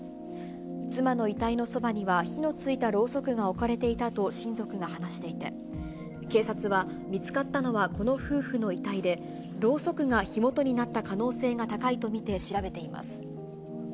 妻の遺体のそばには火のついたろうそくが置かれていたと親族が話していて、警察は、見つかったのはこの夫婦の遺体で、ろうそくが火元になった可能性が高いと見て調べています。